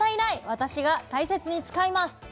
私が大切に使います！